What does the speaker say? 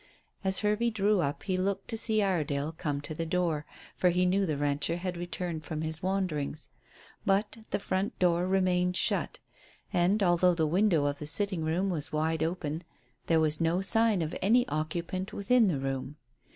As Hervey drew up he looked to see Iredale come to the door, for he knew the rancher had returned from his wanderings; but the front door remained shut, and, although the window of the sitting room was wide open, there was no sign of any occupant within the room.